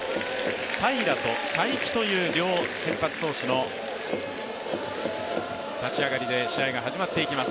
平良と才木という両先発投手の立ち上がりで試合が始まっていきます